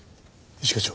一課長。